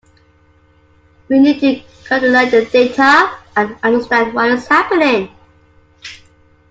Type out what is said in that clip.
We need to correlate the data and understand what is happening.